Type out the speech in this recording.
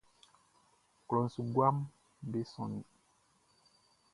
Klɔʼn su guaʼm be sonnin.